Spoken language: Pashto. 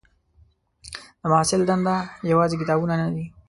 د محصل دنده یوازې کتابونه نه دي.